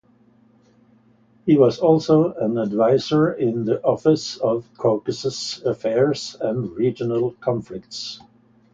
He was also an advisor in the Office of Caucasus Affairs and Regional Conflicts.